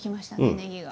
ねぎが。